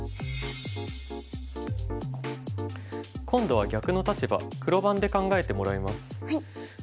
今度は逆の立場黒番で考えてもらいます。